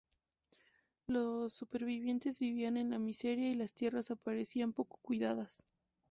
Los supervivientes vivían en la miseria y las tierras aparecían poco cuidadas.